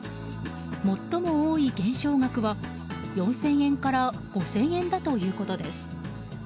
最も多い減少額は４０００円から５０００円だということです。